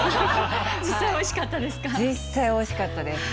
実際おいしかったですか？